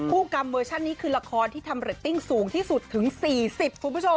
กรรมเวอร์ชันนี้คือละครที่ทำเรตติ้งสูงที่สุดถึง๔๐คุณผู้ชม